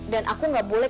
dan aku gak boleh